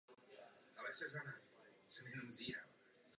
Jižní svaz se skládal ze dvou skupin.